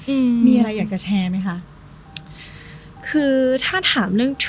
อืมมีอะไรอยากจะแชร์ไหมคะคือถ้าถามเรื่อง